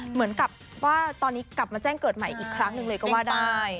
เหมือนกับว่าตอนนี้กลับมาแจ้งเกิดใหม่อีกครั้งหนึ่งเลยก็ว่าได้